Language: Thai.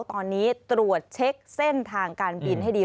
ตอนนี้ตรวจเช็คเส้นทางการบินให้ดี